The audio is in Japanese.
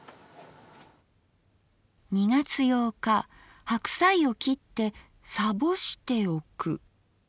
「２月８日白菜を切ってさぼしておく。